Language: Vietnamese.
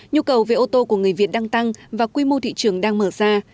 nhu cầu về ô tô của người việt đang tăng và quy mô thị trường đang mở ra